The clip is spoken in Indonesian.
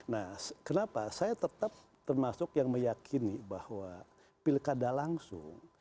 nah kenapa saya tetap termasuk yang meyakini bahwa pilkada langsung